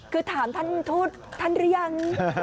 คือถามท่านทูตท่านหรือยัง